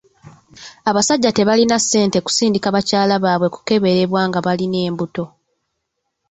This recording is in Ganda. Abasajja tebalina ssente kusindika bakyala baabwe kukeberebwa nga balina embuto.